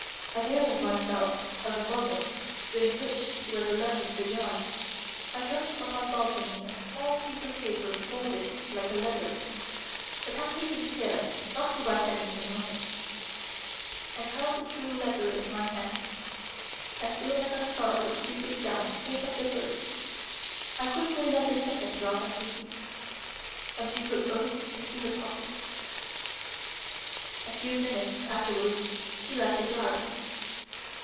Availing myself of a moment during which she was alone in the yard, I dropped from my balcony a small piece of paper folded like a letter, but I had taken care not to write anything on it, and held the true letter in my hand. As soon as I saw her stooping down to pick up the first, I quickly let the second drop at her feet, and she put both into her pocket. A few minutes afterwards she left the yard.